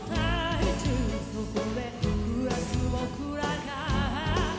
「そこで暮らす僕らが」